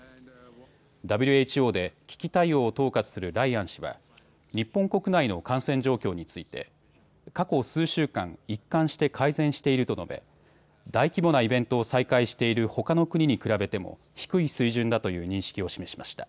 ＷＨＯで危機対応を統括するライアン氏は日本国内の感染状況について過去数週間、一貫して改善していると述べ大規模なイベントを再開しているほかの国に比べても低い水準だという認識を示しました。